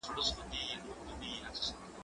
زه لاس نه پرېولم؟